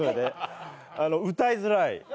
歌いづらい。